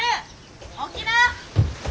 起きな！